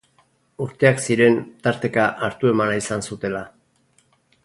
Urteak ziren tarteka hartu-emana izan zutela.